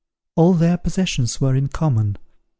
All their possessions were in common.